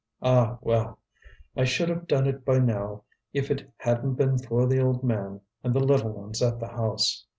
Ah, well! I should have done it by now if it hadn't been for the old man and the little ones at the house."